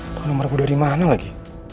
atau nomer gue dari mana lagi